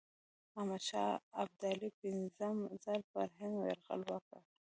احمدشاه ابدالي پنځم ځل پر هند یرغل وکړ.